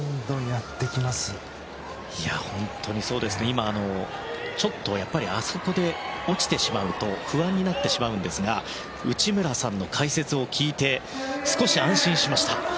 やっぱり、今ちょっとあそこで落ちてしまうと不安になってしまうんですが内村さんの解説を聞いて少し安心しました。